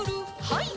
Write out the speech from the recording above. はい。